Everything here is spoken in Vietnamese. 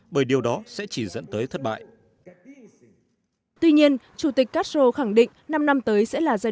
bởi điều đó sẽ chỉ dẫn tới thất bại tuy nhiên chủ tịch castro khẳng định năm năm tới sẽ là giai